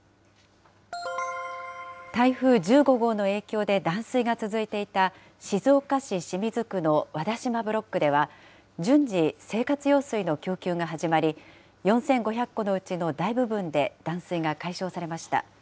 台風１５号の影響で断水が続いていた、静岡市清水区の和田島ブロックでは、順次、生活用水の供給が始まり、４５００戸のうちの大部分で断水が解消されました。